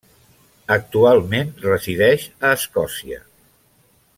Actualment resideix a Escòcia.